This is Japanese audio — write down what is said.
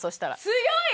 強い！